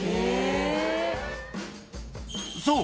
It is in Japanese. ［そう。